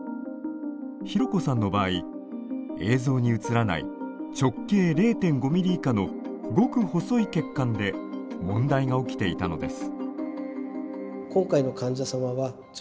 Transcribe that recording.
ひろこさんの場合映像に映らない直径０．５ｍｍ以下のごく細い血管で問題が起きていたのです。